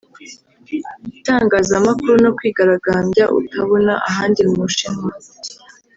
itangazamakuru no kwigaragambya utabona ahandi mu Bushinwa